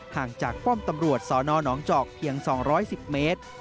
ห่างจากป้อมตำรวจสนหนองจอกเพียง๒๑๐เมตร